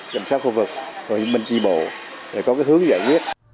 cảnh sát khu vực bệnh viên tri bộ để có hướng giải quyết